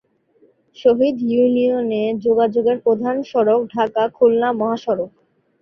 শহীদ ইউনিয়নে যোগাযোগের প্রধান সড়ক ঢাকা-খুলনা মহাসড়ক।